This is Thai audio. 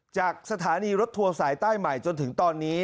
จากสถานีรถทัวร์สายใต้ใหม่จนถึงตอนนี้